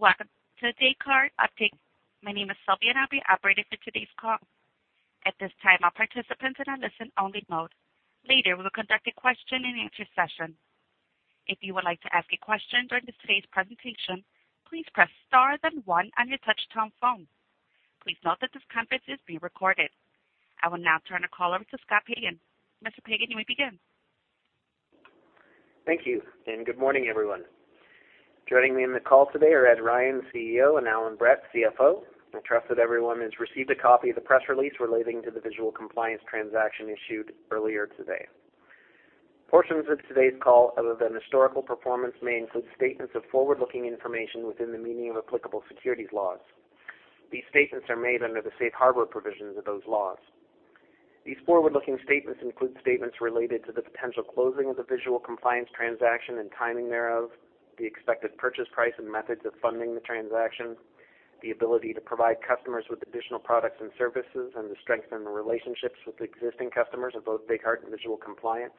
Welcome to the Descartes update. My name is Sylvia, and I'll be operating for today's call. At this time, all participants are in a listen-only mode. Later, we will conduct a question-and-answer session. If you would like to ask a question during today's presentation, please press star, then one on your touchtone phone. Please note that this conference is being recorded. I will now turn the call over to Scott Pagan. Mr. Pagan, you may begin. Thank you. Good morning, everyone. Joining me in the call today are Ed Ryan, CEO, and Allan Brett, CFO. I trust that everyone has received a copy of the press release relating to the Visual Compliance transaction issued earlier today. Portions of today's call, other than historical performance, may include statements of forward-looking information within the meaning of applicable securities laws. These statements are made under the Safe Harbor provisions of those laws. These forward-looking statements include statements related to the potential closing of the Visual Compliance transaction and timing thereof, the expected purchase price and methods of funding the transaction, the ability to provide customers with additional products and services, and to strengthen the relationships with existing customers of both Descartes and Visual Compliance,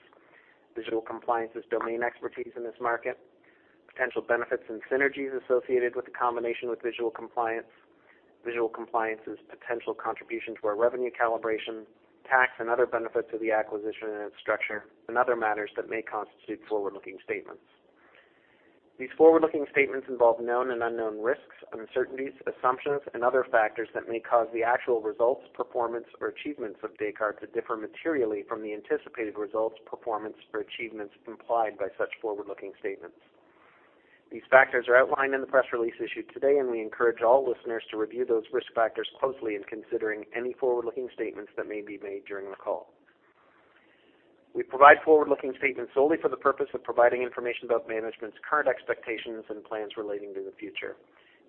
Visual Compliance's domain expertise in this market, potential benefits and synergies associated with the combination with Visual Compliance, Visual Compliance's potential contribution to our revenue calibration, tax and other benefits of the acquisition and its structure, and other matters that may constitute forward-looking statements. These forward-looking statements involve known and unknown risks, uncertainties, assumptions, and other factors that may cause the actual results, performance, or achievements of Descartes to differ materially from the anticipated results, performance, or achievements implied by such forward-looking statements. These factors are outlined in the press release issued today. We encourage all listeners to review those risk factors closely in considering any forward-looking statements that may be made during the call. We provide forward-looking statements solely for the purpose of providing information about management's current expectations and plans relating to the future.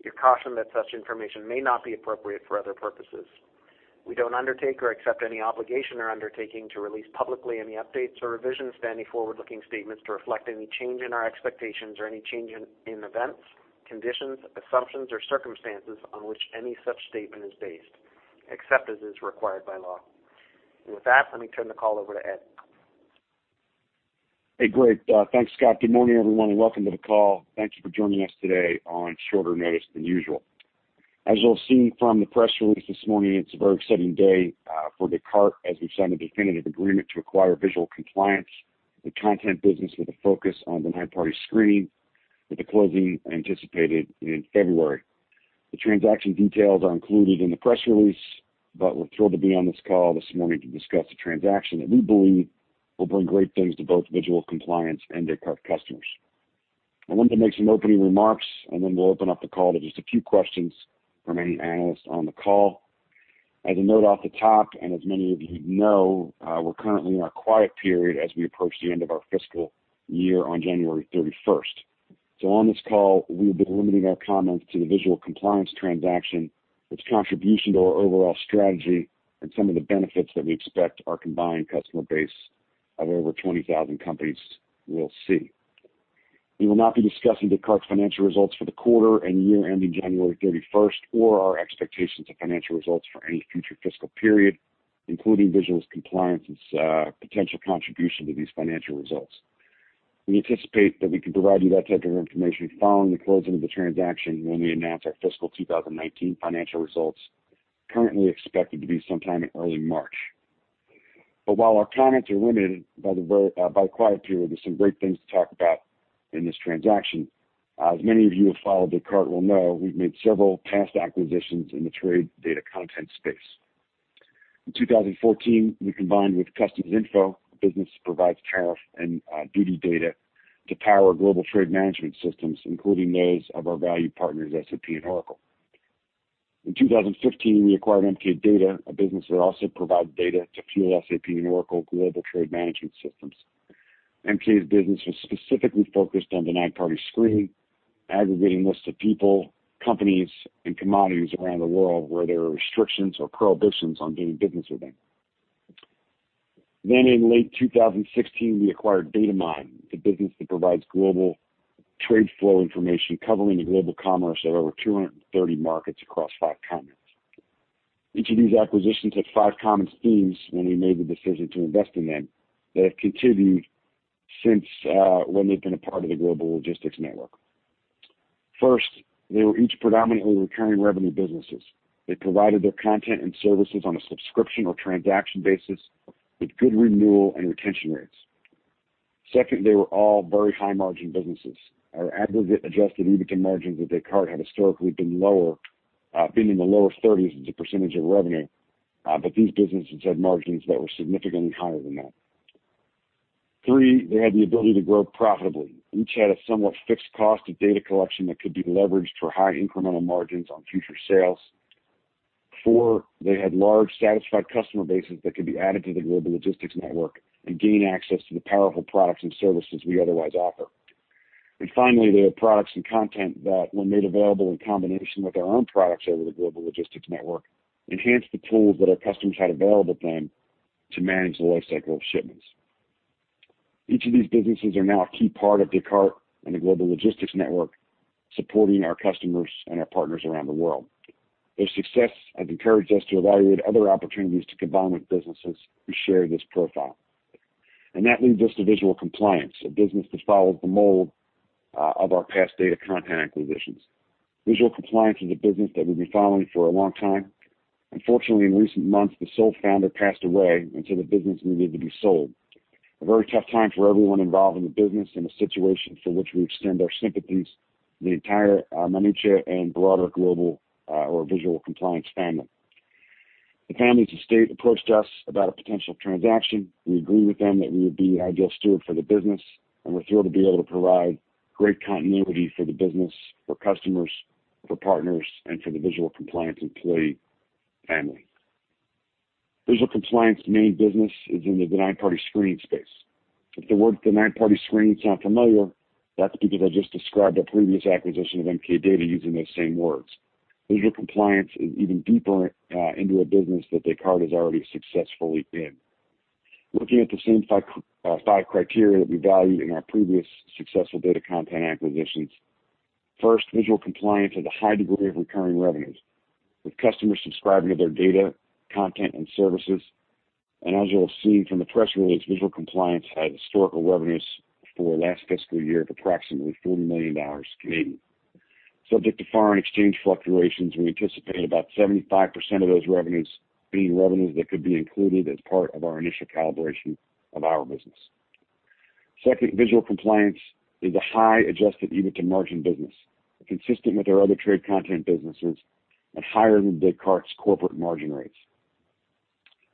We caution that such information may not be appropriate for other purposes. We don't undertake or accept any obligation or undertaking to release publicly any updates or revisions of any forward-looking statements to reflect any change in our expectations or any change in events, conditions, assumptions, or circumstances on which any such statement is based, except as is required by law. With that, let me turn the call over to Ed. Hey, great. Thanks, Scott. Good morning, everyone, and welcome to the call. Thank you for joining us today on shorter notice than usual. As you'll see from the press release this morning, it's a very exciting day for Descartes as we've signed a definitive agreement to acquire Visual Compliance, the content business with a focus on denied party screening, with the closing anticipated in February. The transaction details are included in the press release, we're thrilled to be on this call this morning to discuss the transaction that we believe will bring great things to both Visual Compliance and Descartes customers. I wanted to make some opening remarks, and then we'll open up the call to just a few questions from any analysts on the call. As a note off the top, and as many of you know, we're currently in our quiet period as we approach the end of our fiscal year on January 31st. On this call, we will be limiting our comments to the Visual Compliance transaction, its contribution to our overall strategy, and some of the benefits that we expect our combined customer base of over 20,000 companies will see. We will not be discussing Descartes' financial results for the quarter and year ending January 31st or our expectations of financial results for any future fiscal period, including Visual Compliance's potential contribution to these financial results. We anticipate that we can provide you that type of information following the closing of the transaction when we announce our fiscal 2019 financial results, currently expected to be sometime in early March. While our comments are limited by the quiet period, there's some great things to talk about in this transaction. As many of you who follow Descartes will know, we've made several past acquisitions in the trade data content space. In 2014, we combined with Customs Info, a business that provides tariff and duty data to power global trade management systems, including those of our valued partners, SAP and Oracle. In 2015, we acquired MK Data, a business that also provided data to fuel SAP and Oracle global trade management systems. MK's business was specifically focused on denied party screening, aggregating lists of people, companies, and commodities around the world where there are restrictions or prohibitions on doing business with them. In late 2016, we acquired Datamyne, the business that provides global trade flow information covering the global commerce of over 230 markets across five continents. Each of these acquisitions had five common themes when we made the decision to invest in them that have continued since when they've been a part of the Global Logistics Network. First, they were each predominantly recurring revenue businesses. They provided their content and services on a subscription or transaction basis with good renewal and retention rates. Second, they were all very high-margin businesses. Our aggregate adjusted EBITDA margins at Descartes had historically been in the lower 30s as a percentage of revenue, but these businesses had margins that were significantly higher than that. Three, they had the ability to grow profitably. Each had a somewhat fixed cost of data collection that could be leveraged for high incremental margins on future sales. Four, they had large, satisfied customer bases that could be added to the Global Logistics Network and gain access to the powerful products and services we otherwise offer. Finally, they had products and content that when made available in combination with our own products over the Global Logistics Network, enhanced the tools that our customers had available to them to manage the life cycle of shipments. Each of these businesses are now a key part of Descartes and the Global Logistics Network, supporting our customers and our partners around the world. Their success has encouraged us to evaluate other opportunities to combine with businesses who share this profile. That leads us to Visual Compliance, a business that follows the mold of our past data content acquisitions. Visual Compliance is a business that we've been following for a long time. Unfortunately, in recent months, the sole founder passed away, so the business needed to be sold. A very tough time for everyone involved in the business and a situation for which we extend our sympathies to the entire Manucha and broader Visual Compliance family. The family's estate approached us about a potential transaction. We agreed with them that we would be the ideal steward for the business, and we're thrilled to be able to provide great continuity for the business, for customers, for partners, and for the Visual Compliance employee family. Visual Compliance's main business is in the denied party screening space. If the words denied party screening sound familiar, that's because I just described our previous acquisition of MK Data using those same words. Visual Compliance is even deeper into a business that Descartes is already successfully in. Looking at the same five criteria that we valued in our previous successful data content acquisitions. First, Visual Compliance has a high degree of recurring revenues, with customers subscribing to their data, content, and services. As you will see from the press release, Visual Compliance had historical revenues for last fiscal year of approximately 40 million Canadian dollars. Subject to foreign exchange fluctuations, we anticipate about 75% of those revenues being revenues that could be included as part of our initial calibration of our business. Second, Visual Compliance is a high adjusted EBITDA margin business, consistent with our other trade content businesses and higher than Descartes' corporate margin rates.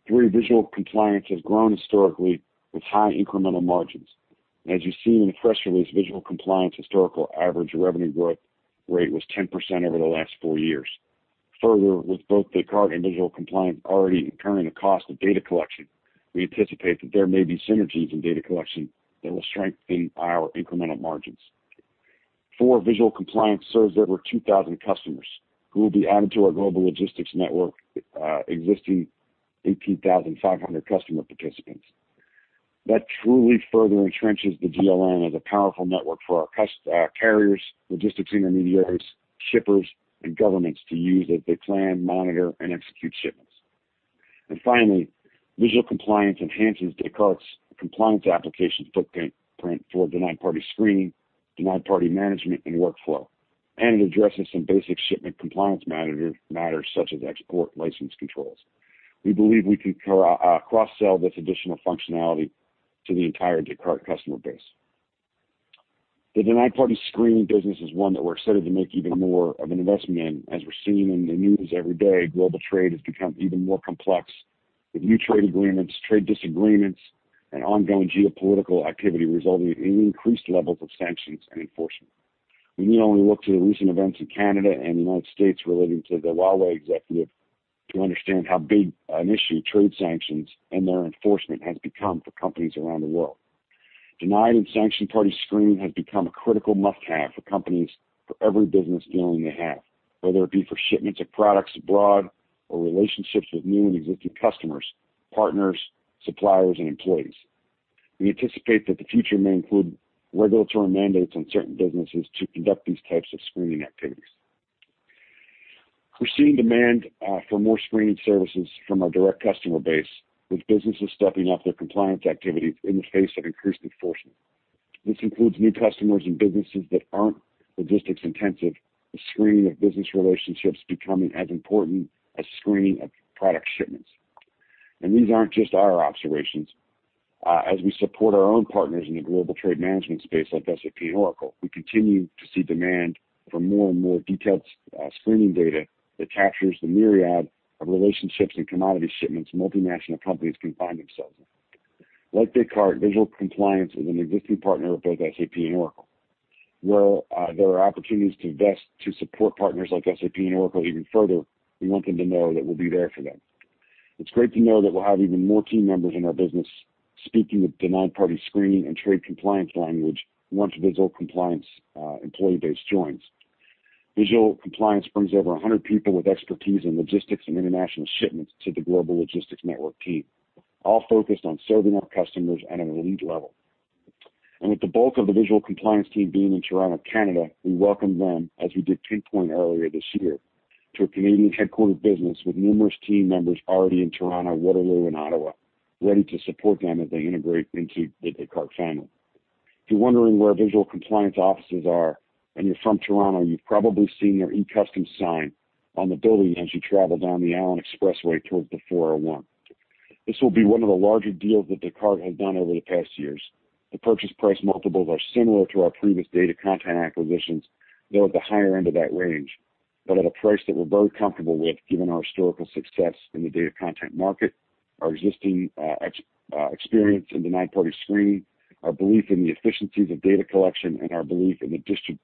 Three, Visual Compliance has grown historically with high incremental margins. As you see in the press release, Visual Compliance historical average revenue growth rate was 10% over the last four years. Further, with both Descartes and Visual Compliance already incurring the cost of data collection, we anticipate that there may be synergies in data collection that will strengthen our incremental margins. Four, Visual Compliance serves over 2,000 customers who will be added to our Global Logistics Network existing 18,500 customer participants. That truly further entrenches the GLN as a powerful network for our carriers, logistics intermediaries, shippers, and governments to use as they plan, monitor, and execute shipments. Finally, Visual Compliance enhances Descartes' compliance applications footprint for denied party screening, denied party management, and workflow. It addresses some basic shipment compliance matters such as export license controls. We believe we can cross-sell this additional functionality to the entire Descartes customer base. The denied party screening business is one that we're excited to make even more of an investment in. As we're seeing in the news every day, global trade has become even more complex, with new trade agreements, trade disagreements, and ongoing geopolitical activity resulting in increased levels of sanctions and enforcement. We need only look to the recent events in Canada and the U.S. relating to the Huawei executive to understand how big an issue trade sanctions and their enforcement has become for companies around the world. Denied party screening and sanction party screening has become a critical must-have for companies for every business dealing they have, whether it be for shipments of products abroad or relationships with new and existing customers, partners, suppliers, and employees. We anticipate that the future may include regulatory mandates on certain businesses to conduct these types of screening activities. We're seeing demand for more screening services from our direct customer base, with businesses stepping up their compliance activities in the face of increased enforcement. This includes new customers and businesses that aren't logistics intensive, the screening of business relationships becoming as important as screening of product shipments. These aren't just our observations. As we support our own partners in the global trade management space like SAP and Oracle, we continue to see demand for more and more detailed screening data that captures the myriad of relationships and commodity shipments multinational companies can find themselves in. Like Descartes, Visual Compliance is an existing partner of both SAP and Oracle. Where there are opportunities to invest to support partners like SAP and Oracle even further, we want them to know that we'll be there for them. It's great to know that we'll have even more team members in our business speaking the denied party screening and trade compliance language once Visual Compliance employee base joins. Visual Compliance brings over 100 people with expertise in logistics and international shipments to the Global Logistics Network team, all focused on serving our customers at an elite level. With the bulk of the Visual Compliance team being in Toronto, Canada, we welcome them as we did +earlier this year to a Canadian headquartered business with numerous team members already in Toronto, Waterloo, and Ottawa ready to support them as they integrate into the Descartes family. If you're wondering where Visual Compliance offices are, and you're from Toronto, you've probably seen their eCustoms sign on the building as you travel down the Allen Expressway towards the 401. This will be one of the larger deals that Descartes has done over the past years. The purchase price multiples are similar to our previous data content acquisitions, though at the higher end of that range. At a price that we're very comfortable with given our historical success in the data content market, our existing experience in denied party screening, our belief in the efficiencies of data collection, and our belief in the distribution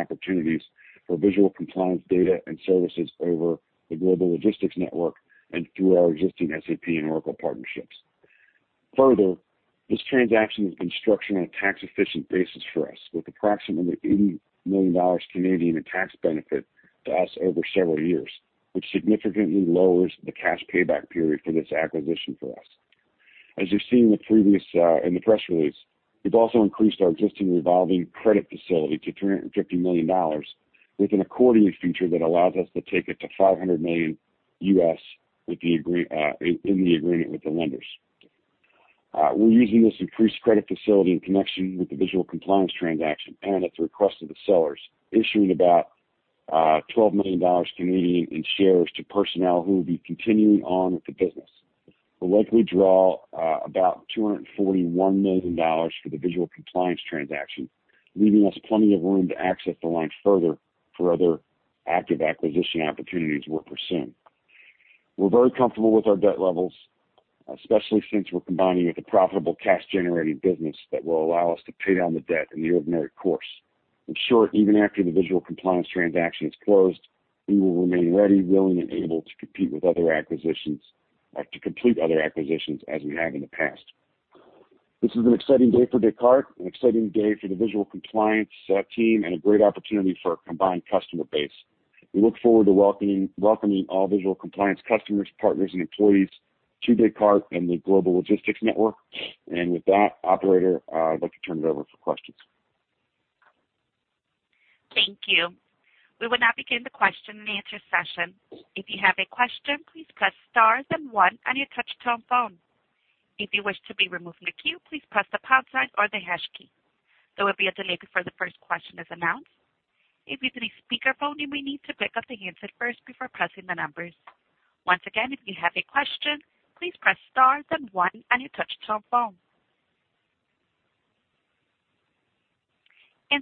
opportunities for Visual Compliance data and services over the Global Logistics Network and through our existing SAP and Oracle partnerships. Further, this transaction is structured on a tax-efficient basis for us with approximately 80 million Canadian dollars in tax benefit to us over several years, which significantly lowers the cash payback period for this acquisition for us. As you've seen in the press release, we've also increased our existing revolving credit facility to 350 million dollars. With an accordion feature that allows us to take it to $500 million U.S. in the agreement with the lenders. We're using this increased credit facility in connection with the Visual Compliance transaction and at the request of the sellers, issuing about 12 million Canadian dollars in shares to personnel who will be continuing on with the business. We'll likely draw about 241 million dollars for the Visual Compliance transaction, leaving us plenty of room to access the line further for other active acquisition opportunities we'll pursue. We're very comfortable with our debt levels, especially since we're combining with a profitable cash-generating business that will allow us to pay down the debt in the ordinary course. In short, even after the Visual Compliance transaction is closed, we will remain ready, willing, and able to compete with other acquisitions to complete other acquisitions as we have in the past. This is an exciting day for Descartes, an exciting day for the Visual Compliance team, and a great opportunity for our combined customer base. We look forward to welcoming all Visual Compliance customers, partners, and employees to Descartes and the Global Logistics Network. With that, operator, I'd like to turn it over for questions. Thank you. We will now begin the question and answer session. If you have a question, please press star then one on your touch-tone phone. If you wish to be removed from the queue, please press the pound sign or the hash key. There will be a delay before the first question is announced. If you're through speakerphone, you may need to pick up the handset first before pressing the numbers. Once again, if you have a question, please press star then one on your touch-tone phone.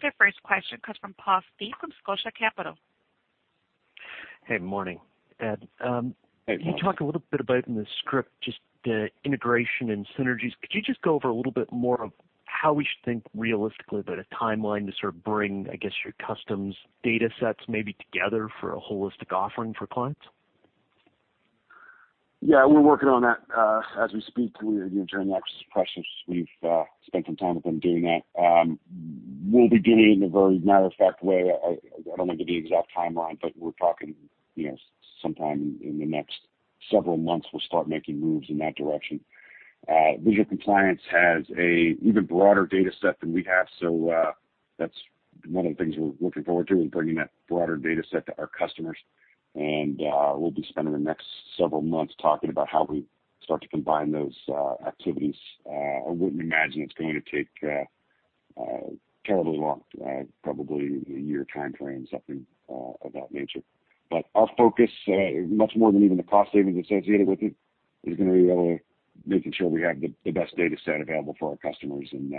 Our first question comes from Paul Steep from Scotia Capital. Hey, morning Ed. Hey. You talk a little bit about in the script, just the integration and synergies. Could you just go over a little bit more of how we should think realistically about a timeline to sort of bring, I guess, your customs data sets maybe together for a holistic offering for clients? Yeah, we're working on that. As we speak, during the acquisition process, we've spent some time with them doing that. We'll be doing it in a very matter-of-fact way. I don't want to give the exact timeline, but we're talking sometime in the next several months, we'll start making moves in that direction. Visual Compliance has an even broader data set than we have, so that's one of the things we're looking forward to is bringing that broader data set to our customers. We'll be spending the next several months talking about how we start to combine those activities. I wouldn't imagine it's going to take terribly long, probably a year timeframe, something of that nature. Our focus, much more than even the cost savings associated with it, is going to be really making sure we have the best data set available for our customers and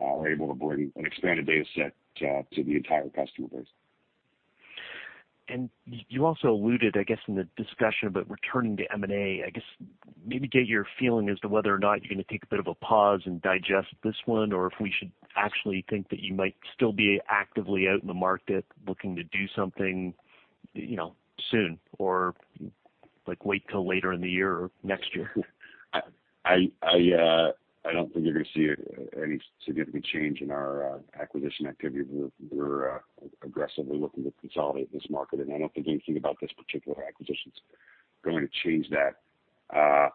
are able to bring an expanded data set to the entire customer base. You also alluded, I guess, in the discussion about returning to M&A, I guess maybe get your feeling as to whether or not you're going to take a bit of a pause and digest this one, or if we should actually think that you might still be actively out in the market looking to do something soon, or wait till later in the year or next year. I don't think you're going to see any significant change in our acquisition activity. We're aggressively looking to consolidate this market, I don't think anything about this particular acquisition is going to change that.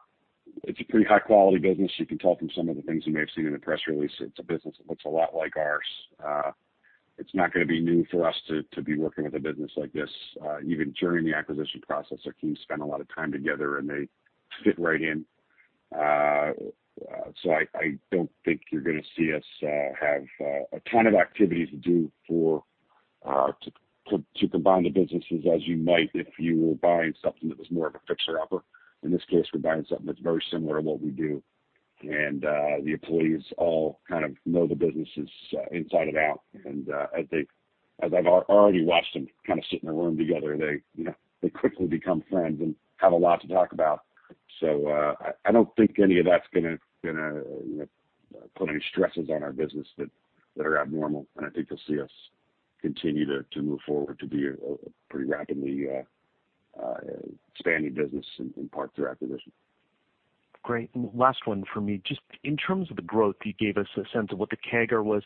It's a pretty high-quality business. You can tell from some of the things you may have seen in the press release. It's a business that looks a lot like ours. It's not going to be new for us to be working with a business like this. Even during the acquisition process, our teams spent a lot of time together, and they fit right in. I don't think you're going to see us have a ton of activity to do to combine the businesses as you might if you were buying something that was more of a fixer-upper. In this case, we're buying something that's very similar to what we do. The employees all kind of know the businesses inside and out. As I've already watched them kind of sit in a room together, they quickly become friends and have a lot to talk about. I don't think any of that's going to put any stresses on our business that are abnormal. I think you'll see us continue to move forward to be a pretty rapidly expanding business in part through acquisition. Great. Last one from me. Just in terms of the growth, you gave us a sense of what the CAGR was.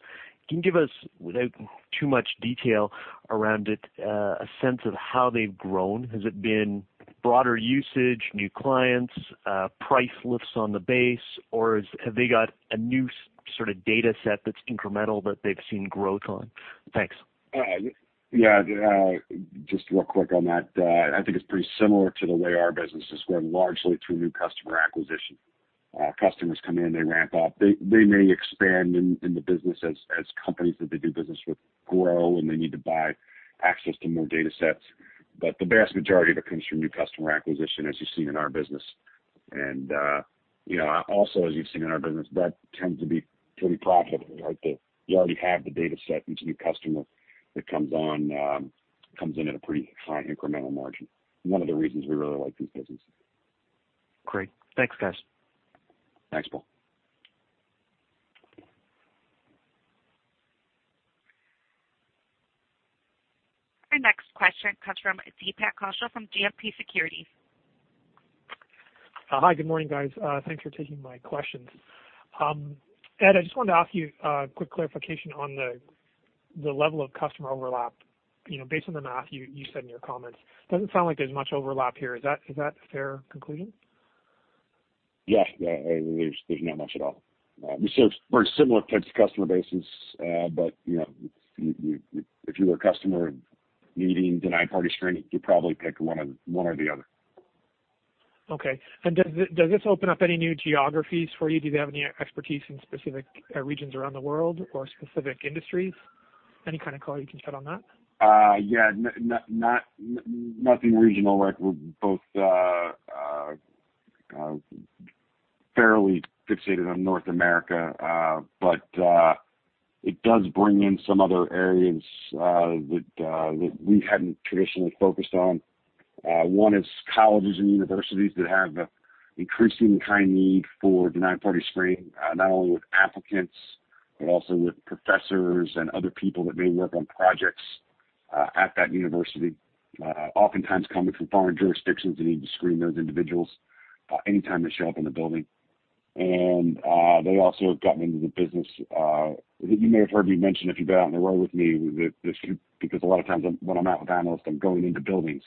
Can you give us, without too much detail around it, a sense of how they've grown? Has it been broader usage, new clients, price lifts on the base, or have they got a new sort of data set that's incremental that they've seen growth on? Thanks. Yeah. Just real quick on that. I think it's pretty similar to the way our business has grown, largely through new customer acquisition. Customers come in, they ramp up. They may expand in the business as companies that they do business with grow, and they need to buy access to more data sets. The vast majority of it comes from new customer acquisition, as you've seen in our business. Also as you've seen in our business, that tends to be pretty profitable. You already have the data set. Each new customer that comes on comes in at a pretty high incremental margin. One of the reasons we really like these businesses. Great. Thanks, guys. Thanks, Paul. Our next question comes from Deepak Kaushal from GMP Securities. Hi. Good morning, guys. Thanks for taking my questions. Ed, I just wanted to ask you a quick clarification on the level of customer overlap. Based on the math you said in your comments, doesn't sound like there's much overlap here. Is that a fair conclusion? Yeah. There's not much at all. We serve very similar types of customer bases. If you were a customer needing denied party screening, you'd probably pick one or the other. Okay. Does this open up any new geographies for you? Do they have any expertise in specific regions around the world or specific industries? Any kind of color you can shed on that? Yeah. Nothing regional. We're both fairly fixated on North America. It does bring in some other areas, that we hadn't traditionally focused on. One is colleges and universities that have an increasingly high need for denied party screening, not only with applicants but also with professors and other people that may work on projects at that university, oftentimes coming from foreign jurisdictions that need to screen those individuals, anytime they show up in the building. They also have gotten into the business, you may have heard me mention if you've been out in the road with me, because a lot of times when I'm out with analysts, I'm going into buildings.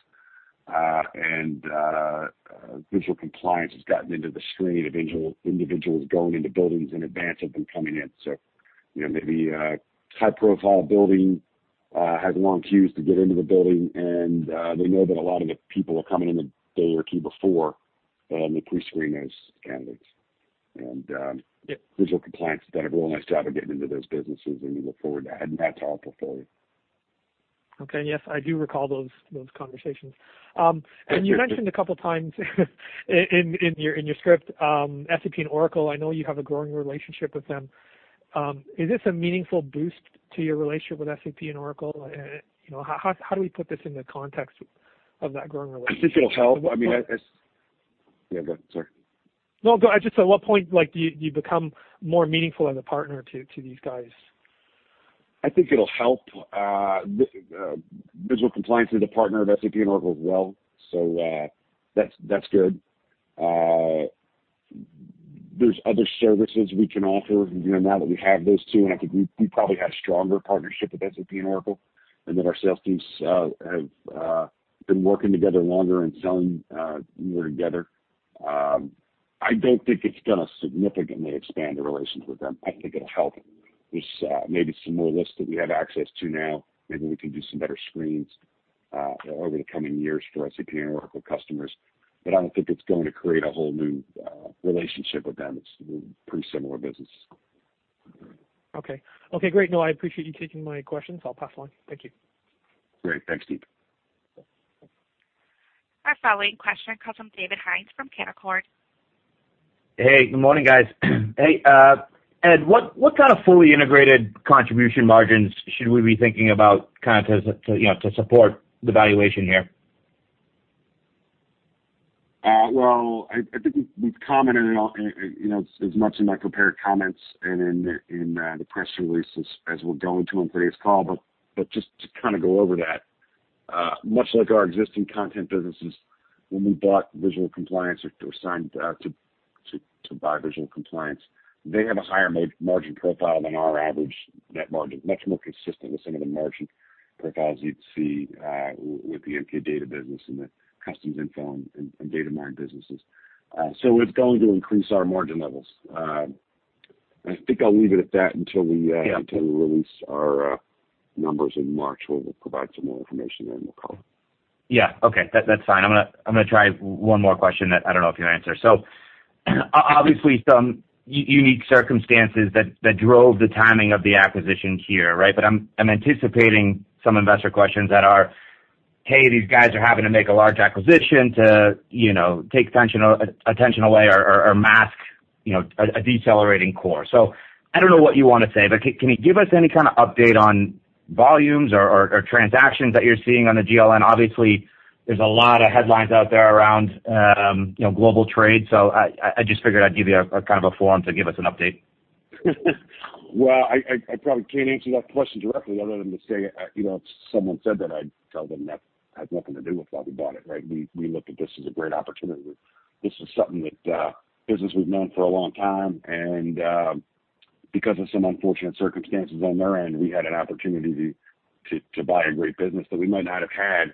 Visual Compliance has gotten into the screen of individuals going into buildings in advance of them coming in. Maybe a high-profile building has long queues to get into the building and they know that a lot of the people are coming in a day or two before, and they pre-screen those candidates. Yeah. Visual Compliance has done a real nice job of getting into those businesses, and we look forward to adding that to our portfolio. Okay. Yes, I do recall those conversations. You mentioned a couple of times in your script, SAP and Oracle, I know you have a growing relationship with them. Is this a meaningful boost to your relationship with SAP and Oracle? How do we put this in the context of that growing relationship? I think it'll help. Yeah, go ahead. Sorry. No, go. Just at what point do you become more meaningful as a partner to these guys? I think it'll help. Visual Compliance is a partner of SAP and Oracle as well. That's good. There's other services we can offer now that we have those two. I think we probably have a stronger partnership with SAP and Oracle in that our sales teams have been working together longer and selling more together. I don't think it's going to significantly expand the relations with them. I think it'll help. There's maybe some more lists that we have access to now. Maybe we can do some better screens over the coming years for SAP and Oracle customers. I don't think it's going to create a whole new relationship with them. It's pretty similar business. Okay. Great. I appreciate you taking my questions. I'll pass along. Thank you. Great. Thanks, Deep. Our following question comes from David Hynes from Canaccord. Hey, good morning, guys. Hey, Ed, what kind of fully integrated contribution margins should we be thinking about to support the valuation here? Well, I think we've commented as much in my prepared comments and in the press releases as we'll go into on today's call, but just to go over that. Much like our existing content businesses, when we bought Visual Compliance or signed to buy Visual Compliance, they have a higher margin profile than our average net margin, much more consistent with some of the margin profiles you'd see with the MK Data business and the Customs Info and Datamyne businesses. It's going to increase our margin levels. I think I'll leave it at that until we- Yeah -get to release our numbers in March where we'll provide some more information then on the call. Yeah. Okay. That's fine. I'm going to try one more question that I don't know if you can answer. Obviously, some unique circumstances that drove the timing of the acquisition here. I'm anticipating some investor questions that are, "Hey, these guys are having to make a large acquisition to take attention away or mask a decelerating core." I don't know what you want to say, but can you give us any kind of update on volumes or transactions that you're seeing on the GLN? Obviously, there's a lot of headlines out there around global trade. I just figured I'd give you a form to give us an update. Well, I probably can't answer that question directly other than to say, if someone said that, I'd tell them that had nothing to do with why we bought it. We looked at this as a great opportunity. This was something that, business we've known for a long time, and because of some unfortunate circumstances on their end, we had an opportunity to buy a great business that we might not have had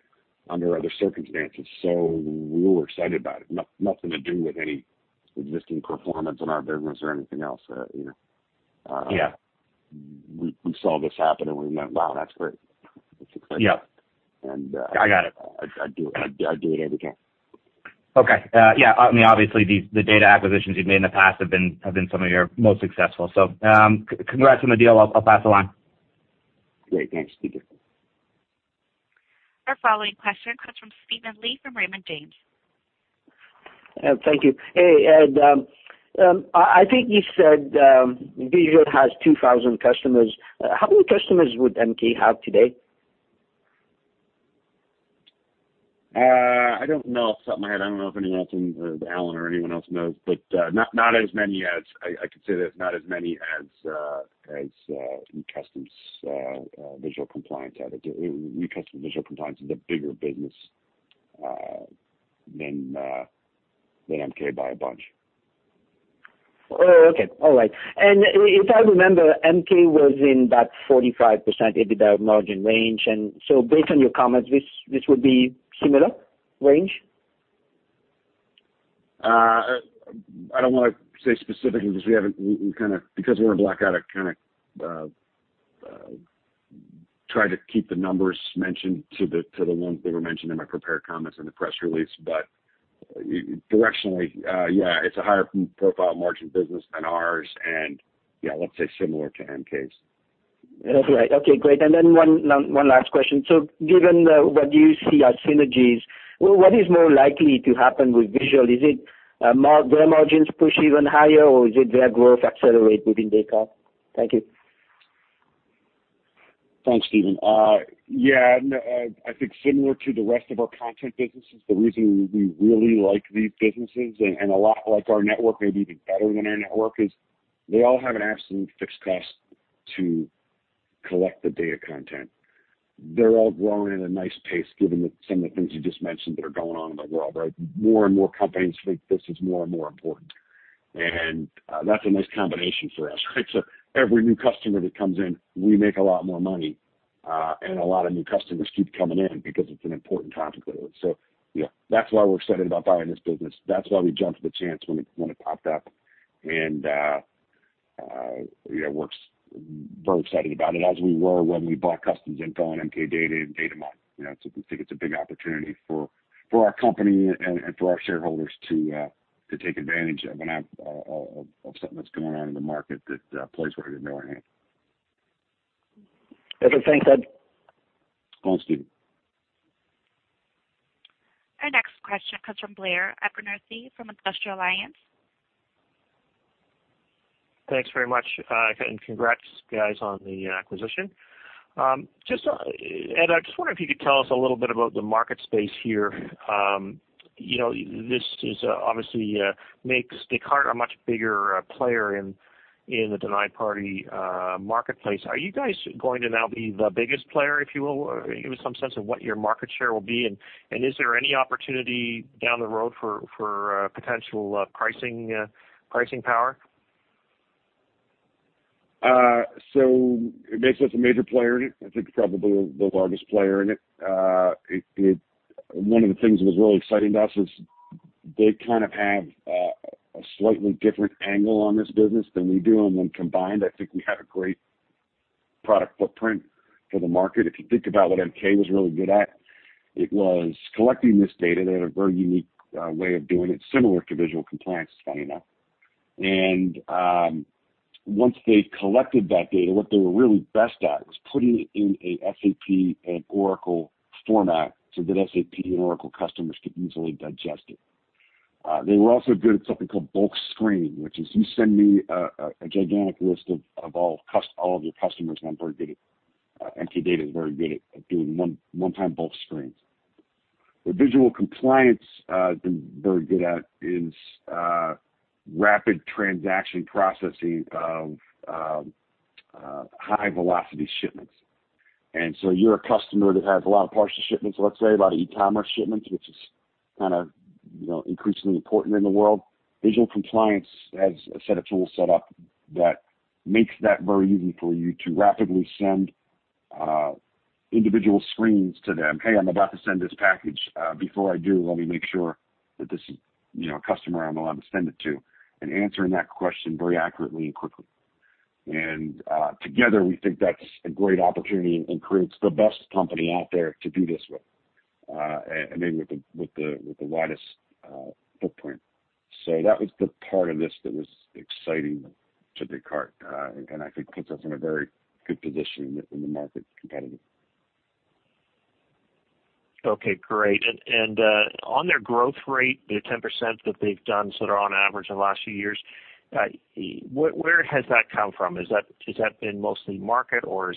under other circumstances. We were excited about it. Nothing to do with any existing performance in our business or anything else. Yeah. We saw this happen, and we went, "Wow, that's great." Yeah. I got it. I'd do it every time. Okay. Yeah. Obviously, the data acquisitions you've made in the past have been some of your most successful. Congrats on the deal. I'll pass along. Great, thanks. Thank you. Our following question comes from Steven Li from Raymond James. Thank you. Hey, Ed. I think you said Visual Compliance has 2,000 customers. How many customers would MK have today? I don't know off the top of my head. I don't know if anyone else in, Allan or anyone else knows, not as many as I can say that it's not as many as Customs Visual Compliance had. Customs Visual Compliance is a bigger business than MK by a bunch. Okay. All right. If I remember, MK was in that 45% EBITDA margin range. So based on your comments, this would be similar range? I don't want to say specifically because we're in a blackout, I try to keep the numbers mentioned to the ones that were mentioned in my prepared comments in the press release. Directionally, yeah, it's a higher profile margin business than ours and yeah, let's say similar to MK's. Okay, great. One last question. Given what you see as synergies, what is more likely to happen with Visual? Is it their margins push even higher, or is it their growth accelerate within Descartes? Thank you. Thanks, Steven. Yeah, I think similar to the rest of our content businesses, the reason we really like these businesses and a lot like our network, maybe even better than our network is they all have an absolute fixed cost to collect the data content. They're all growing at a nice pace given some of the things you just mentioned that are going on in the world, right? More and more companies think this is more and more important, and that's a nice combination for us, right? Every new customer that comes in, we make a lot more money, and a lot of new customers keep coming in because it's an important topic. Yeah, that's why we're excited about buying this business. That's why we jumped at the chance when it popped up, and we're very excited about it, as we were when we bought Customs Info and MK Data and Datamyne. We think it's a big opportunity for our company and for our shareholders to take advantage of something that's going on in the market that plays right into our hands. Okay, thanks, Ed. Thanks, Steven. Our next question comes from Blair Abernethy from Industrial Alliance. Thanks very much. Congrats guys on the acquisition. Ed, I just wonder if you could tell us a little bit about the market space here. This obviously makes Descartes a much bigger player in the denied party marketplace. Are you guys going to now be the biggest player, if you will? Give us some sense of what your market share will be, and is there any opportunity down the road for potential pricing power? It makes us a major player in it. I think probably the largest player in it. One of the things that was really exciting to us is they have a slightly different angle on this business than we do, and when combined, I think we have a great product footprint for the market. If you think about what MK was really good at, it was collecting this data. They had a very unique way of doing it, similar to Visual Compliance, funny enough. Once they collected that data, what they were really best at was putting it in a SAP and Oracle format so that SAP and Oracle customers could easily digest it. They were also good at something called bulk screening, which is you send me a gigantic list of all of your customers, and I'm very good at it. MK Data is very good at doing one-time bulk screens. What Visual Compliance has been very good at is rapid transaction processing of high-velocity shipments. You're a customer that has a lot of partial shipments, let's say a lot of e-commerce shipments, which is kind of increasingly important in the world. Visual Compliance has a set of tools set up that makes that very easy for you to rapidly send individual screens to them. "Hey, I'm about to send this package. Before I do, let me make sure that this is a customer I'm allowed to send it to." Answering that question very accurately and quickly. Together, we think that's a great opportunity and creates the best company out there to do this with, and maybe with the widest footprint. That was the part of this that was exciting to Descartes, and I think puts us in a very good position in the market competitive. Okay, great. On their growth rate, the 10% that they've done sort of on average the last few years, where has that come from? Has that been mostly market, or have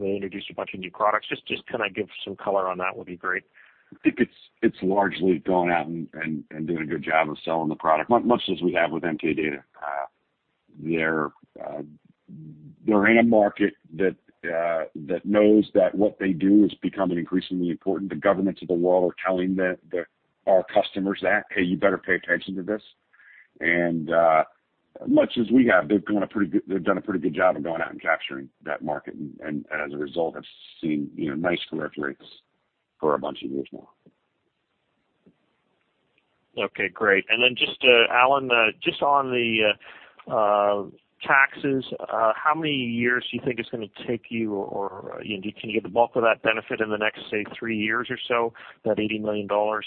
they introduced a bunch of new products? Just kind of give some color on that would be great. I think it's largely going out and doing a good job of selling the product, much as we have with MK Data. They're in a market that knows that what they do is becoming increasingly important. The governments of the world are telling our customers that, "Hey, you better pay attention to this." Much as we have, they've done a pretty good job of going out and capturing that market, and as a result, have seen nice growth rates for a bunch of years now. Okay, great. Just to Allan, just on the taxes, how many years do you think it's going to take you? Can you get the bulk of that benefit in the next, say, three years or so, that 80 million dollars?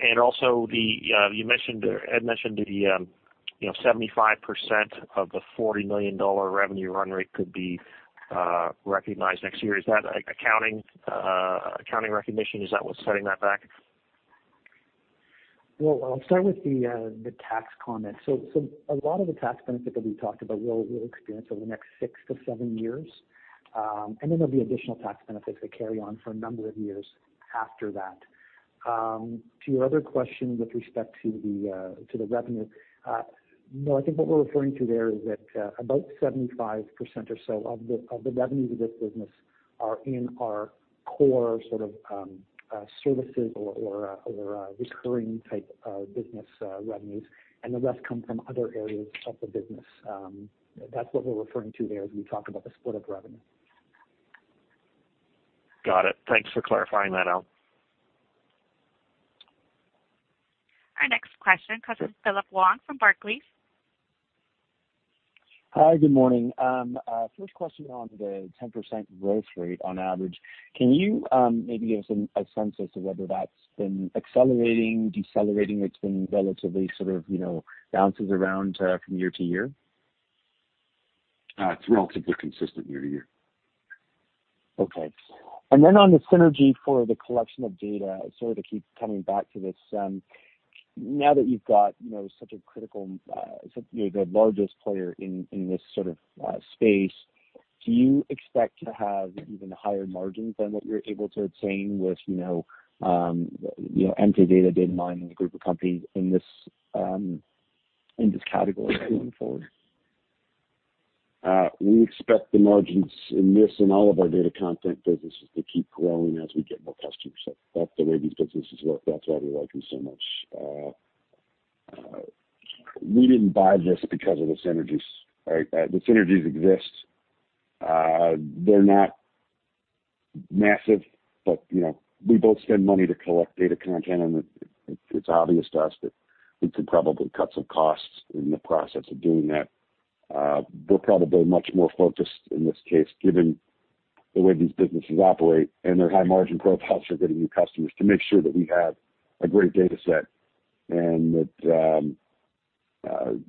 Ed mentioned the 75% of the 40 million dollar revenue run rate could be recognized next year. Is that accounting recognition? Is that what's setting that back? I'll start with the tax comment. A lot of the tax benefits that we talked about we'll experience over the next six to seven years. There'll be additional tax benefits that carry on for a number of years after that. To your other question with respect to the revenue. I think what we're referring to there is that about 75% or so of the revenue to this business are in our core sort of services or recurring type of business revenues, and the rest come from other areas of the business. That's what we're referring to there as we talk about the split of revenue. Got it. Thanks for clarifying that, Allan. Our next question comes from Philip Wong from Barclays. Hi, good morning. First question on the 10% growth rate on average. Can you maybe give us a sense as to whether that's been accelerating, decelerating, or it's been relatively sort of bounces around from year to year? It's relatively consistent year to year. Okay. On the synergy for the collection of data, sorry to keep coming back to this. Now that you've got such a You're the largest player in this sort of space, do you expect to have even higher margins than what you're able to obtain with MK Data, Datamyne, and the group of companies in this category going forward? We expect the margins in this and all of our data content businesses to keep growing as we get more customers. That's the way these businesses work. That's why we like them so much. We didn't buy this because of the synergies. The synergies exist. They're not massive, but we both spend money to collect data content, and it's obvious to us that we could probably cut some costs in the process of doing that. We're probably much more focused in this case, given the way these businesses operate, and their high margin profiles for getting new customers to make sure that we have a great data set and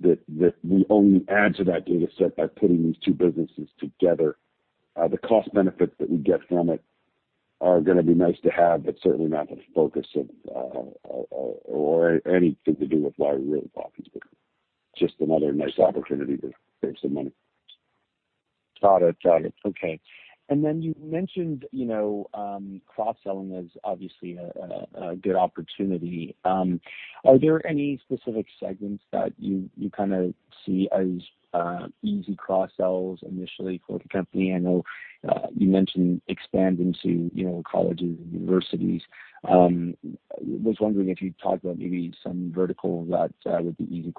that we only add to that data set by putting these two businesses together. The cost benefits that we get from it are going to be nice to have. Certainly not the focus of or anything to do with why we really bought these businesses. Just another nice opportunity to save some money. Got it. Okay. You mentioned, cross-selling is obviously a good opportunity. Are there any specific segments that you kind of see as easy cross-sells initially for the company? I know you mentioned expanding to colleges and universities. Was wondering if you'd talk about maybe some verticals that would be easy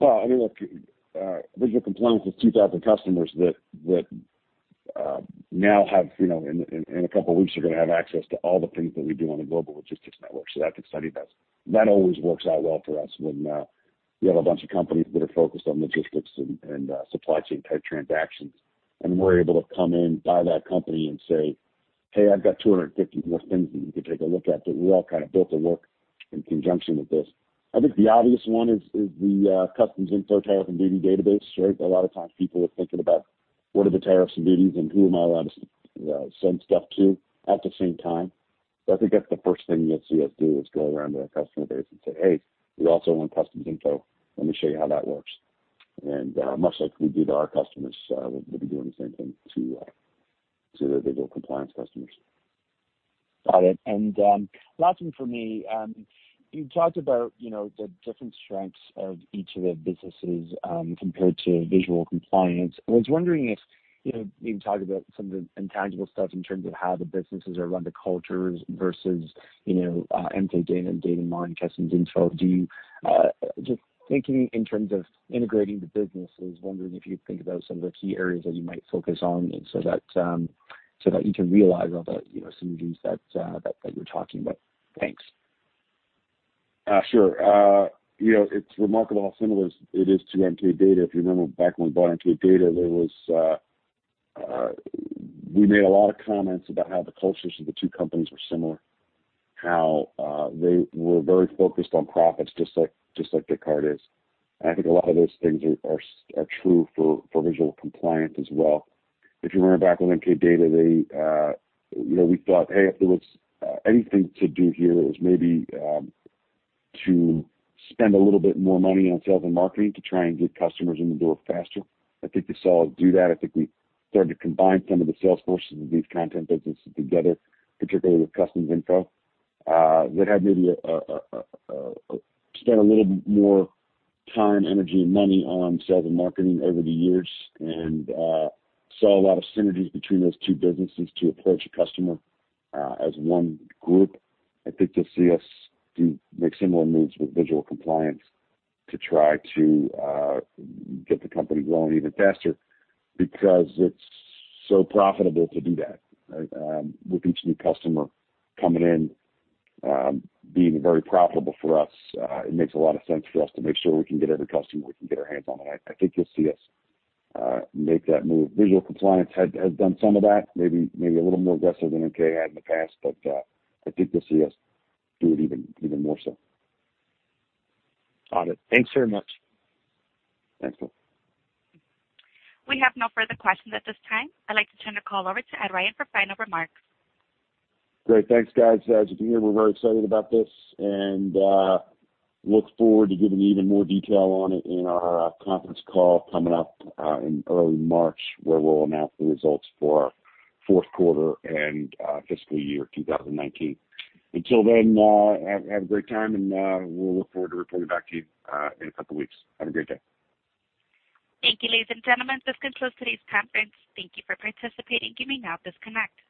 cross-sells. I mean, look, Visual Compliance has 2,000 customers that now have, in a couple weeks, are going to have access to all the things that we do on the Global Logistics Network. That's exciting. That always works out well for us when we have a bunch of companies that are focused on logistics and supply chain type transactions, and we're able to come in, buy that company, and say, "Hey, I've got 250 more things that you could take a look at, that we all kind of built to work in conjunction with this." I think the obvious one is the Customs Info tariff and duty database, right? A lot of times people are thinking about what are the tariffs and duties, and who am I allowed to send stuff to at the same time. I think that's the first thing you'll see us do, is go around to our customer base and say, "Hey, we also own Customs Info. Let me show you how that works." Much like we do to our customers, we'll be doing the same thing to the Visual Compliance customers. Got it. Last one for me. You talked about the different strengths of each of the businesses compared to Visual Compliance. I was wondering if you can talk about some of the intangible stuff in terms of how the businesses are run, the cultures versus MK Data and Datamyne, Customs Info. Just thinking in terms of integrating the businesses, wondering if you could think about some of the key areas that you might focus on, so that you can realize all the synergies that you're talking about. Thanks. Sure. It's remarkable how similar it is to MK Data. If you remember back when we bought MK Data, we made a lot of comments about how the cultures of the two companies were similar, how they were very focused on profits, just like Descartes is. I think a lot of those things are true for Visual Compliance as well. If you remember back with MK Data, we thought, hey, if there was anything to do here, it was maybe to spend a little bit more money on sales and marketing to try and get customers in the door faster. I think you saw us do that. I think we started to combine some of the sales forces of these content businesses together, particularly with Customs Info. That had maybe spent a little bit more time, energy, and money on sales and marketing over the years and saw a lot of synergies between those two businesses to approach a customer as one group. I think you'll see us make similar moves with Visual Compliance to try to get the company growing even faster because it's so profitable to do that. With each new customer coming in being very profitable for us, it makes a lot of sense for us to make sure we can get every customer we can get our hands on. I think you'll see us make that move. Visual Compliance has done some of that, maybe a little more aggressive than MK had in the past, but I think you'll see us do it even more so. Got it. Thanks very much. Thanks, Philip. We have no further questions at this time. I'd like to turn the call over to Ed Ryan for final remarks. Great. Thanks, guys. As you can hear, we're very excited about this and look forward to giving even more detail on it in our conference call coming up in early March, where we'll announce the results for our fourth quarter and fiscal year 2019. Until then, have a great time, and we'll look forward to reporting back to you in a couple weeks. Have a great day. Thank you, ladies and gentlemen. This concludes today's conference. Thank you for participating. You may now disconnect.